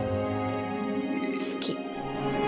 好き。